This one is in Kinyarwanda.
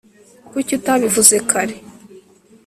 kuki utabivuze kare